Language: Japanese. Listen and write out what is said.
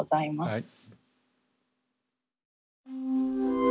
はい。